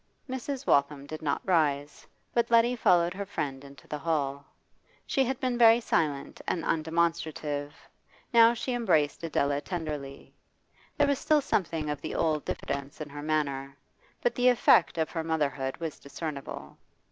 Mrs. Waltham did not rise, but Letty followed her friend into the hall. She had been very silent and undemonstrative; now she embraced Adela tenderly. There was still something of the old diffidence in her manner, but the effect of her motherhood was discernible.